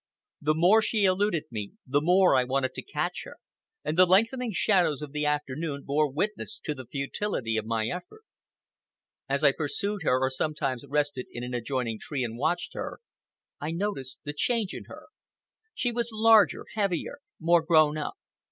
The more she eluded me, the more I wanted to catch her, and the lengthening shadows of the afternoon bore witness to the futility of my effort. As I pursued her, or sometimes rested in an adjoining tree and watched her, I noticed the change in her. She was larger, heavier, more grown up.